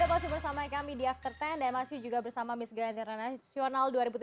terima kasih sudah bersama kami di after sepuluh dan masih bersama miss grand international dua ribu tujuh belas